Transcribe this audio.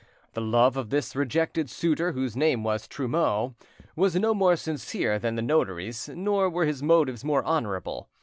The love of this rejected suitor, whose name was Trumeau, was no more sincere than the notary's, nor were his motives more honourable.